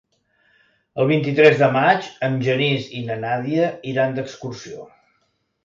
El vint-i-tres de maig en Genís i na Nàdia iran d'excursió.